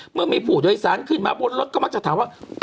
เมื่อมีผู้โดยสารขึ้นมาบนรถก็มักจะถามว่า